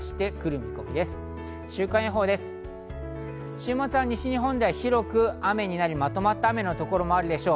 週末は西日本では広く雨になり、まとまった雨の所もあるでしょう。